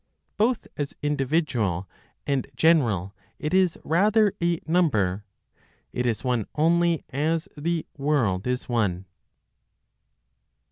Both as individual and general it is rather a number; it is one only as the world is one.